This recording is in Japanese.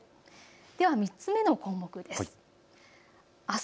では３つ目の項目です。